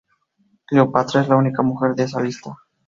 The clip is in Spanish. Cleopatra es la única mujer de esa lista.